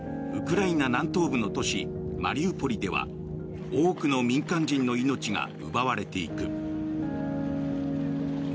ウクライナ南東部の都市マリウポリでは多くの民間人の命が奪われていく。